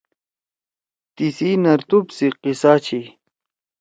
تیسی نرتوب سی قصہ چھی۔